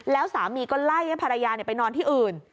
แล้วสามีก็ไล่ให้ภรรยาไปนอนที่อื่น